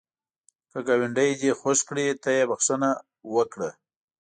که ګاونډی دی خوږ کړي، ته یې بخښه وکړه